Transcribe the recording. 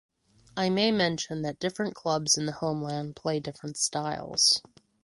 I may mention that different clubs in the Homeland play different styles.